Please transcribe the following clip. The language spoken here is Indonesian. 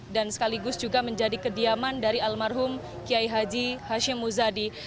dan sekaligus juga menjadi kediaman dari almarhum kiai haji hashim mujadi